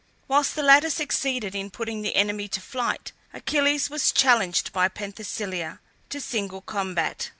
Whilst the latter succeeded in putting the enemy to flight, Achilles was challenged by Penthesilea to single combat.